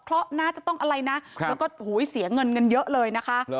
เพราะน่าจะต้องอะไรนะแล้วก็เสียเงินกันเยอะเลยนะคะ